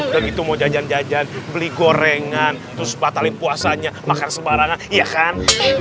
begitu mau jajan jajan beli gorengan terus batalin puasanya makanan sebarang iya kan